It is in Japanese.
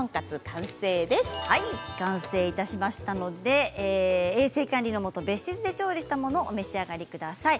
完成いたしましたので衛生管理のもと別室で調理したものをお召し上がりください。